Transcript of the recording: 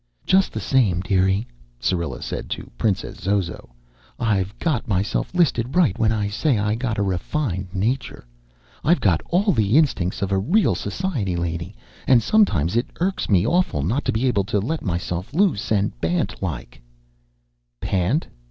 "Just the same, dearie," Syrilla said to Princess Zozo, "I've got myself listed right when I say I got a refined nature. I've got all the instincts of a real society lady and sometimes it irks me awful not to be able to let myself loose and bant like " "Pant?"